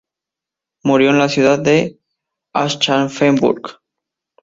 Murió en la ciudad de Aschaffenburg.